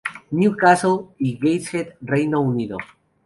New Castle y Gateshead, Reino Unido.